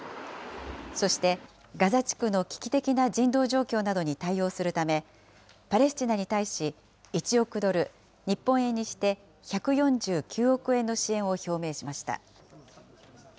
そして、ガザ地区の危機的な人道状況などに対応するため、パレスチナに対し、１億ドル、日本円にして１４９億円の支援を表明しました。